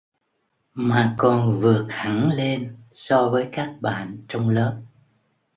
mà còn vượt hẳn lên so với các bạn trong lớp